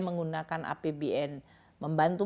menggunakan apbn membantu